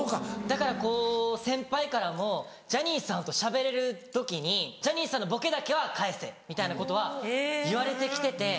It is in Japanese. だから先輩からもジャニーさんとしゃべれる時にジャニーさんのボケだけは返せみたいなことは言われて来てて。